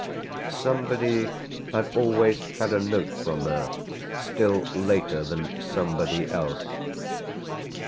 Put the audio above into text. Somebody had always had a note from her still later than somebody else.